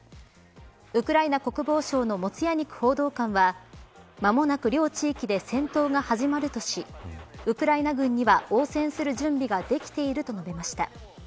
ウクライナ国防省のモツヤニク報道官はまもなく両地域で戦闘が始まるとしウクライナ軍には応戦する準備ができていると述べました。